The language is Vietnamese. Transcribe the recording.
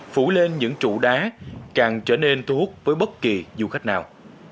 phủ lên những trụ đá càng trở nên thu hút với bất kỳ du khách nào